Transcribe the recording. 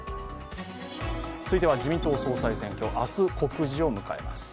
続いては自民党総裁選、明日、告示を迎えます。